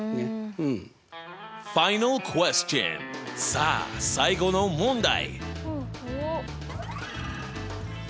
さあ最後の問題！